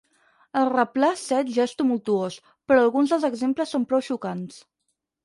El replà set ja és tumultuós, però alguns dels exemples són prou xocants.